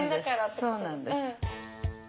そうなんです。